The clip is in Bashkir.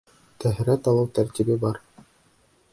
Тәһәрәт алыу тәртибе бар.